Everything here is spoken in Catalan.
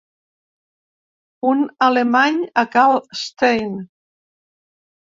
Un alemany a cal Stein.